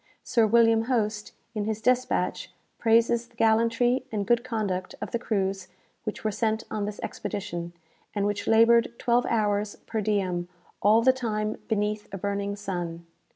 "Sir William Hoste, in his despatch, praises the gallantry and good conduct of the crews which were sent on this expedition, and which laboured twelve hours per diem, all the time beneath a burning sun.